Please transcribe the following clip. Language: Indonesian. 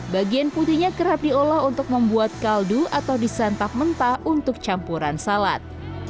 bagian putihnya kerap diolah untuk membuat kaldu atau disantap mentah untuk campuran salad